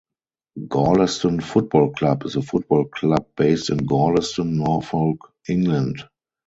Gorleston Football Club is a football club based in Gorleston, Norfolk, England.